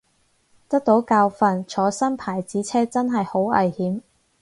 得到教訓，坐新牌子車真係好危險